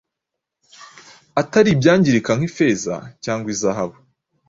atari ibyangirika nk’ifeza cyangwa izahabu,